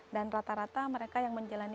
dan rata rata mereka yang menjalani